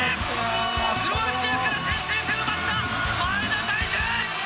クロアチアから先制点奪った、前田大然。